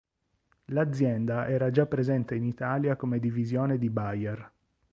L'azienda era già presente in Italia come divisione di Bayer.